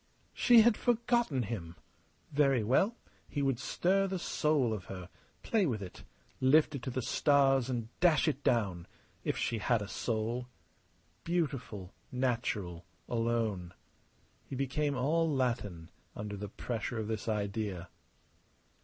She had forgotten him! Very well. He would stir the soul of her, play with it, lift it to the stars and dash it down if she had a soul. Beautiful, natural, alone. He became all Latin under the pressure of this idea.